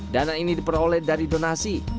dana ini diperoleh dari donasi